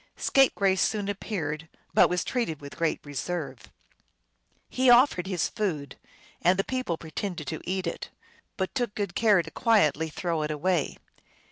Scapegrace soon appeared, but was treated with great reserve. He offered his food, and the people pretended to eat it, but took good care to quietly throw it away.